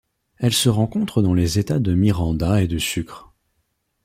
Elle se rencontre dans les États de Miranda et de Sucre.